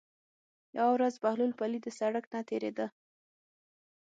یوه ورځ بهلول پلي د سړک نه تېرېده.